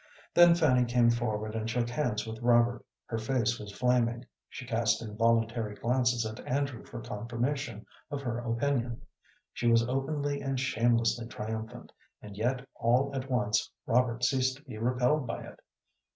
Then Fanny came forward and shook hands with Robert. Her face was flaming she cast involuntary glances at Andrew for confirmation of her opinion. She was openly and shamelessly triumphant, and yet all at once Robert ceased to be repelled by it.